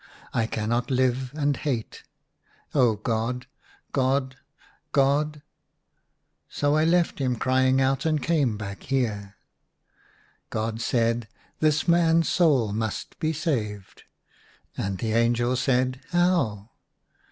I cannot live and hate. Oh, God, God, God !' So I left him crying out and came back here." God said, " This man's soul must be saved." And the angel said " How ?" IN A RUINED CHAPEL.